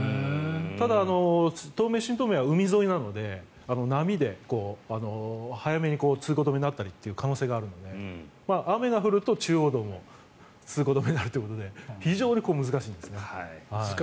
ただ東名、新東名は海沿いなので波で早めに通行止めになったりという可能性があるので雨が降ると中央道も通行止めになるということで非常に難しいんですね。